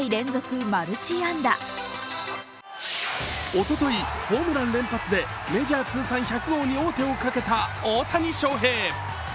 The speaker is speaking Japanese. おととい、ホームラン連発でメジャー通算１００号に王手をかけた大谷翔平。